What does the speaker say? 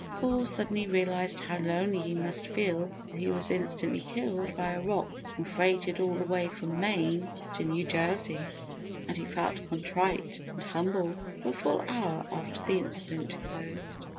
Paul suddenly realised how lonely he must feel if he was instantly killed by a rock and freighted all the way from Maine to New Jersey, and he felt contrite and humble for a full hour after the incident closed.